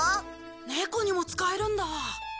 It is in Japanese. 猫にも使えるんだ。